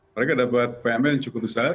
mereka dapat pmn yang cukup besar